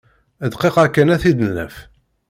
Dqiqa kan ad t-id-naf.